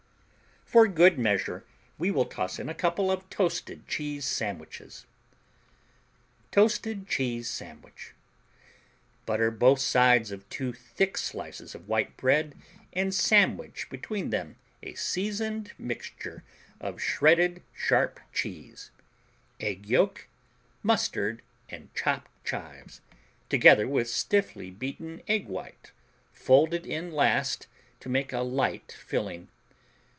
For good measure we will toss in a couple of toasted cheese sandwiches. Toasted Cheese Sandwich Butter both sides of 2 thick slices of white bread and sandwich between them a seasoned mixture of shredded sharp cheese, egg yolk, mustard and chopped chives, together with stiffly beaten egg white folded in last to make a light filling.